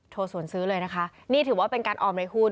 สวนซื้อเลยนะคะนี่ถือว่าเป็นการออมในหุ้น